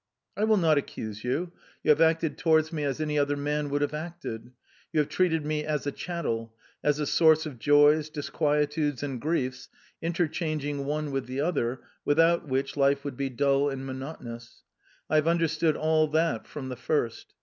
I will not accuse you you have acted towards me as any other man would have acted; you have loved me as a chattel, as a source of joys, disquietudes and griefs, interchanging one with the other, without which life would be dull and monotonous. I have understood all that from the first...